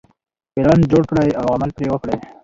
پلان جوړ کړئ او عمل پرې وکړئ.